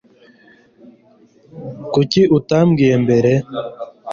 kuki utabimbwiye mbere